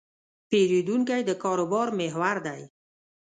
پیرودونکی د کاروبار محور دی.